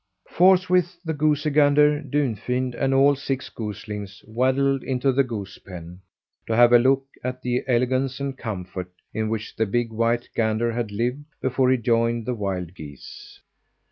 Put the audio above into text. Forthwith the goosey gander, Dunfin, and all six goslings waddled into the goose pen, to have a look at the elegance and comfort in which the big white gander had lived before he joined the wild geese.